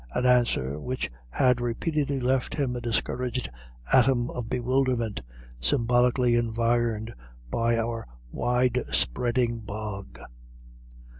an answer which had repeatedly left him a discouraged atom of bewilderment, symbolically environed by our wide spreading bog.